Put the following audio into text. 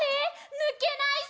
ぬけないぞ！！」